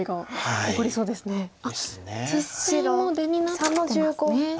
白３の十五。